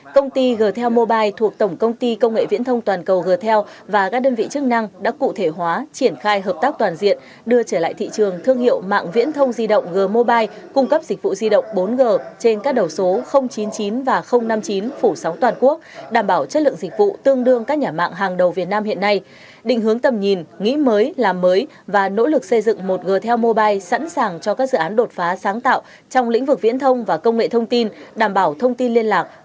công ty g tel mobile thuộc tổng công ty công nghệ viễn thông toàn cầu g tel và các đơn vị chức năng đã cụ thể hóa triển khai hợp tác toàn diện đưa trở lại thị trường thương hiệu mạng viễn thông di động g mobile cung cấp dịch vụ di động bốn g trên các đầu số chín mươi chín và năm mươi chín phủ sáu toàn quốc đảm bảo chất lượng dịch vụ tương đương các nhà mạng hàng đầu việt nam hiện nay định hướng tầm nhìn nghĩ mới làm mới và nỗ lực xây dựng một g tel mobile sẵn sàng cho các dự án đột phá sáng tạo trong lĩnh vực viễn thông và công nghệ thông tin